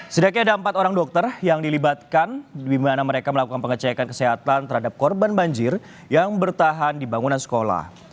sedikitnya ada empat orang dokter yang dilibatkan di mana mereka melakukan pengecekan kesehatan terhadap korban banjir yang bertahan di bangunan sekolah